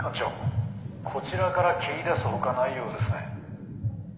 こちらから切り出すほかないようですね。